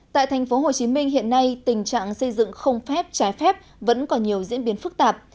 tại thành phố hồ chí minh hiện nay tình trạng xây dựng không phép trái phép vẫn có nhiều diễn biến phức tạp